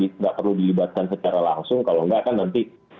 terus dilibatkan secara langsung kalau nggak kan nanti